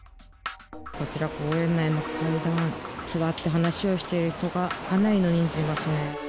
こちら、公園の階段で座って話をしている人がかなりの人数いますね。